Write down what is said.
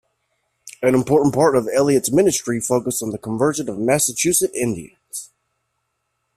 An important part of Eliot's ministry focused on the conversion of Massachusett Indians.